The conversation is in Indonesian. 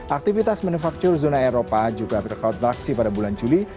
aktivitas manufaktur zona eropa juga berkontraksi pada bulan juli